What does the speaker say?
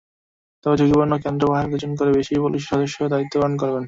তবে ঝুঁকিপূর্ণ কেন্দ্র পাহারায় দুজন করে বেশি পুলিশ সদস্য দায়িত্ব পালন করবেন।